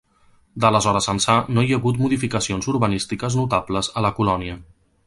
D'aleshores ençà no hi ha hagut modificacions urbanístiques notables a la colònia.